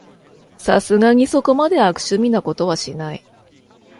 さすがにそこまで悪趣味なことはしない